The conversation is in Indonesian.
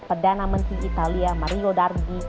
perdana menteri italia mario dardy